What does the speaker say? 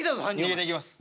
逃げていきます。